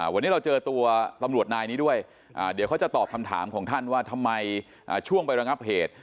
วันนี้เราเจอตัวตำรวจนายนี้ด้วยเดี๋ยวเขาจะตอบคำถามของท่านว่าทำไมช่วงไประงับเหตุ